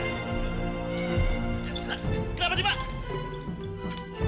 tidak apa apa pak